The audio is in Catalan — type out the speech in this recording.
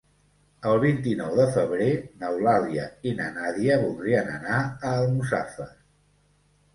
El vint-i-nou de febrer n'Eulàlia i na Nàdia voldrien anar a Almussafes.